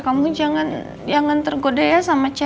kamu jangan jangan tergoda ya sama cewek cewek ya